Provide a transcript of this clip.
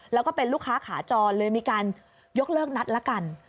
แล้วก็เป็นลูกค้าขาจรเลยมีการยกเลิกนัดละกัน